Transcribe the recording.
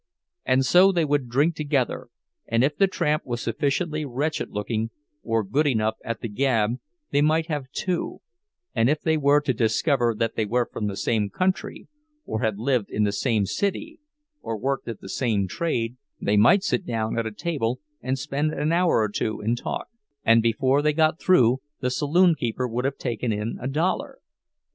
And so they would drink together, and if the tramp was sufficiently wretched looking, or good enough at the "gab," they might have two; and if they were to discover that they were from the same country, or had lived in the same city or worked at the same trade, they might sit down at a table and spend an hour or two in talk—and before they got through the saloon keeper would have taken in a dollar.